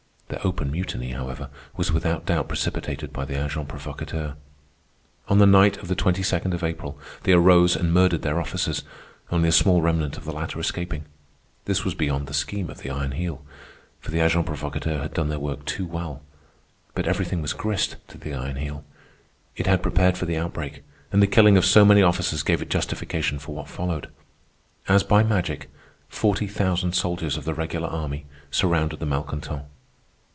Their open mutiny, however, was without doubt precipitated by the agents provocateurs. On the night of the 22d of April they arose and murdered their officers, only a small remnant of the latter escaping. This was beyond the scheme of the Iron Heel, for the agents provocateurs had done their work too well. But everything was grist to the Iron Heel. It had prepared for the outbreak, and the killing of so many officers gave it justification for what followed. As by magic, forty thousand soldiers of the regular army surrounded the malcontents.